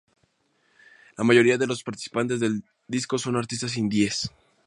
La mayoría de los participantes del disco son artistas indies.